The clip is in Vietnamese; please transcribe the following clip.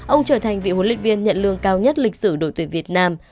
ông trở thành vị huấn luyện viên nhận lương cao nhất lịch sử đội tuyển việt nam